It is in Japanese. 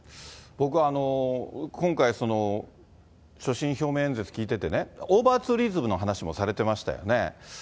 僕は今回、所信表明演説聞いててね、オーバーツーリズムの話もされてましたよね。